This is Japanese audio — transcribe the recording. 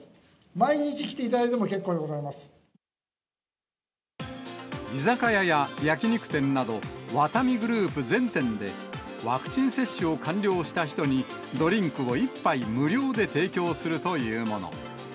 毎日来ていただいても結構でござ居酒屋や焼き肉店など、ワタミグループ全店で、ワクチン接種を完了した人に、ドリンクを１杯無料で提供するというもの。